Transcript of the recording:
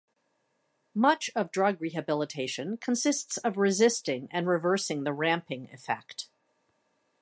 Much of drug rehabilitation consists of resisting and reversing the ramping effect.